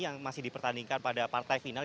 yang masih dipertandingkan pada partai final